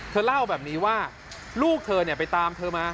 เธอเล่าแบบนี้ว่าลูกเธอไปตามเธอมา